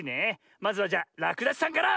まずはじゃらくだしさんから！